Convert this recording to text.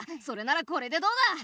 それならこれでどうだ！？